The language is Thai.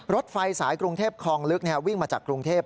รถไฟสายกรุงเทพคลองลึกวิ่งมาจากกรุงเทพ